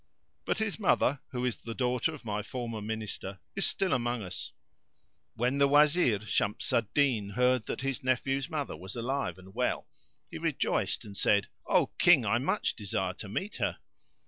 But his mother, who is the daughter of my former Minister, is still among us." When the Wazir Shams al Din heard that his nephew's mother was alive and well, he rejoiced and said, "O King I much desire to meet her."